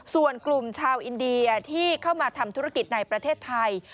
ส่วนกลุ่มชาวอินเดียที่เข้ามาทำธุรกิจในประเทศไทย